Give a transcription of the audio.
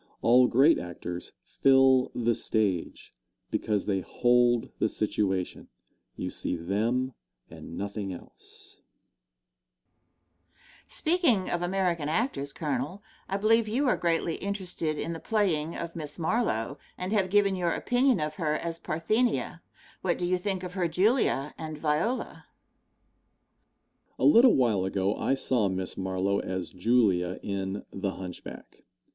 All great actors "fill the stage" because they hold the situation. You see them and nothing else. Question. Speaking of American actors, Colonel, I believe you are greatly interested in the playing of Miss Marlowe, and have given your opinion of her as Parthenia; what do you think of her Julia and Viola? Answer. A little while ago I saw Miss Marlowe as Julia, in "The Hunchback."